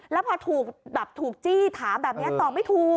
แล้วพอถูกแบบถูกจี้ถามแบบนี้ตอบไม่ถูก